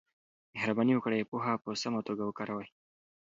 مهرباني وکړئ پوهه په سمه توګه وکاروئ.